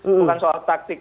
bukan soal taktik